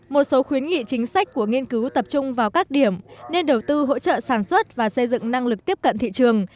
một số khuyến nghị chính sách của nghiên cứu tập trung vào các điểm nên đầu tư hỗ trợ sản xuất và xây dựng năng lực tiếp cận thị trường